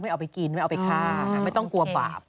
เอาไปกินไม่เอาไปฆ่าไม่ต้องกลัวบาป